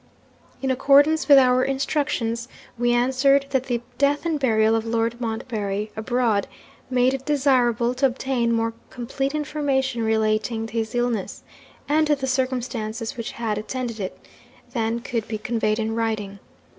'In accordance with our instructions, we answered that the death and burial of Lord Montbarry abroad made it desirable to obtain more complete information relating to his illness, and to the circumstances which had attended it, than could be conveyed in writing.